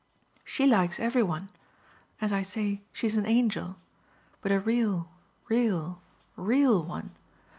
"She likes every one. As I say, she's an angel but a real, real, real one.